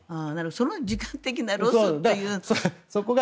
そこの時間的なロスというのが。